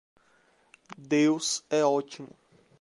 Deus é ótimo.